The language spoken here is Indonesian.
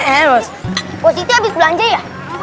halo hehehe posisi eh posisi habis belanja ya